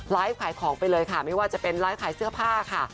ขายของไปเลยค่ะไม่ว่าจะเป็นไลฟ์ขายเสื้อผ้าค่ะ